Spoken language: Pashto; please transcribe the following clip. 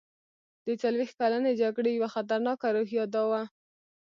د څلوېښت کلنې جګړې یوه خطرناکه روحیه دا وه.